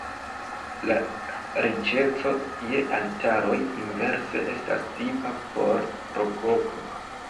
La riĉeco je altaroj inverse estas tipa por rokoko.